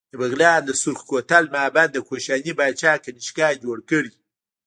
د بغلان د سورخ کوتل معبد د کوشاني پاچا کنیشکا جوړ کړی